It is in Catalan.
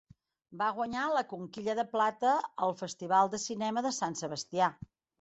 Va guanyar la Conquilla de Plata al Festival de Cinema de Sant Sebastià.